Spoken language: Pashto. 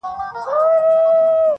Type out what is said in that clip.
• قتلګاه دپرنګيانو -